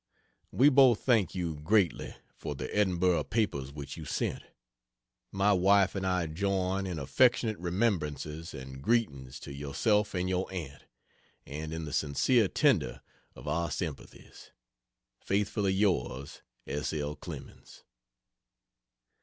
We both thank you greatly for the Edinburgh papers which you sent. My wife and I join in affectionate remembrances and greetings to yourself and your aunt, and in the sincere tender of our sympathies. Faithfully yours, S. L. CLEMENS.